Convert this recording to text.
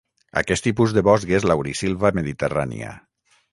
Aquest tipus de bosc és laurisilva mediterrània.